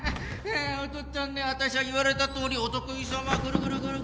お父っつぁんに私は言われたとおりお得意様ぐるぐるぐるぐる回りました。